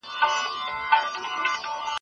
پر مځکي باندې مړژواندي واښه نوي شنه کېږي.